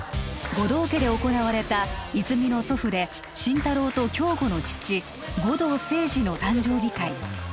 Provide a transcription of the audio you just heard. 護道家で行われた泉の祖父で心太朗と京吾の父護道清二の誕生日会